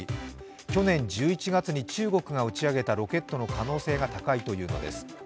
去年１１月に中国が打ち上げたロケットの可能性が高いというのです。